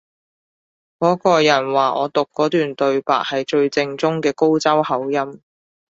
嗰個人話我讀嗰段對白係最正宗嘅高州口音